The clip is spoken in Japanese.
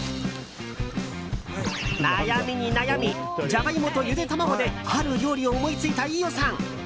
悩みに悩みジャガイモとゆで卵である料理を思いついた飯尾さん。